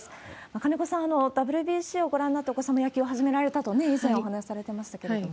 金子さん、ＷＢＣをご覧になってお子さんも野球を始められたと、以前、お話しされてましたけれども。